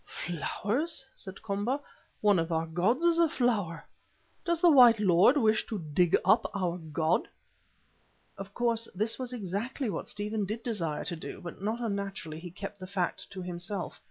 "Flowers!" said Komba. "One of our gods is a flower. Does the white lord wish to dig up our god?" Of course this was exactly what Stephen did desire to do, but not unnaturally he kept the fact to himself.